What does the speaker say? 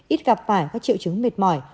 ít gặp phải các triệu chứng mệt mỏi